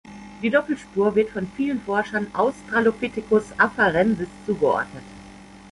Die Doppelspur wird von vielen Forschern "Australopithecus afarensis" zugeordnet.